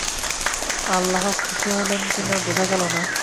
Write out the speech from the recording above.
আল্লাহ খুশি হলেন কি না বোঝা গেল না।